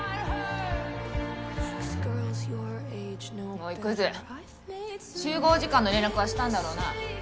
おいクズ集合時間の連絡はしたんだろうな？